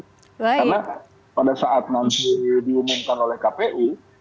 karena pada saat nanti diumumkan oleh kpu